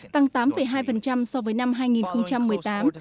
tăng tám hai so với năm hai nghìn một mươi tám